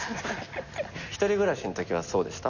１人暮らしのときはそうでした？